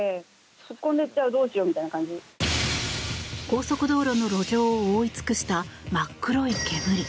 高速道路の路上を覆い尽くした真っ黒い煙。